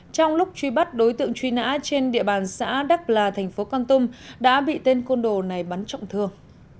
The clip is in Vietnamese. trong lúc truy bắt đối tượng truy nã trên địa bàn xã đắc là thành phố con tum đã bị tên côn đồ này bắn trọng thương